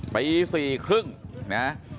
ปีสี่ครึ่งนะ